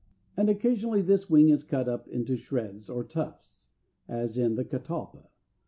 415), and occasionally this wing is cut up into shreds or tufts, as in the Catalpa (Fig.